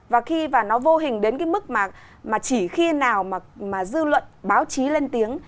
và khi mà nó vô hình đến cái mức mà chỉ khi nào mà dư luận báo chí lên tiếng